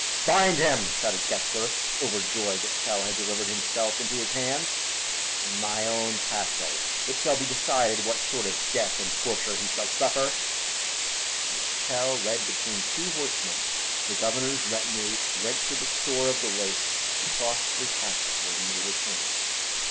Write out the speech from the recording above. "Bind him!" shouted Gessler, overjoyed that Tell had delivered himself into his hands. "In my own castle it shall be decided what sort of death and torture he shall suffer." And with Tell led between two horsemen the Governor's retinue went to the shore of the lake to cross to the castle where he made his home.